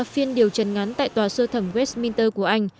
phiên điều trần ngắn tại tòa sơ thẩm westminster của anh